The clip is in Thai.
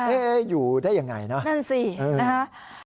อยู่ได้ยังไงนะนั่นสินะฮะ